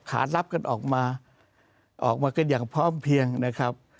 รับกันออกมาออกมากันอย่างพร้อมเพียงนะครับ